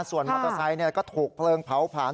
ส่วนมอเตอร์ไซค์ก็ถูกเพลิงเผาผลาญ